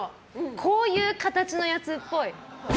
こういう形のやつっぽい。